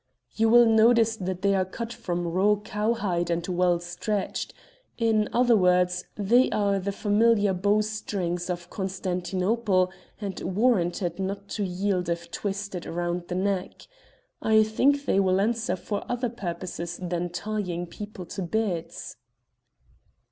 "You will notice that they are cut from raw cowhide and well stretched. In other words, they are the familiar 'bow strings' of Constantinople, and warranted not to yield if twisted round the neck. I think they will answer for other purposes than tying people to beds."